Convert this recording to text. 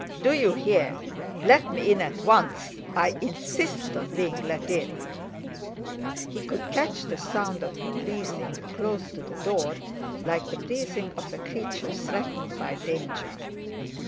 "Do you hear? Let me in at once—I insist on being let in!" He could catch the sound of her breathing close to the door, like the breathing of a creature threatened by danger.